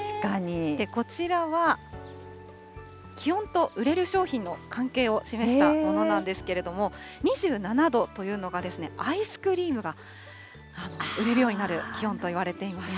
こちらは、気温と売れる商品の関係を示したものなんですけれども、２７度というのが、アイスクリームが売れるようになる気温といわれています。